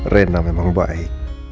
reina memang baik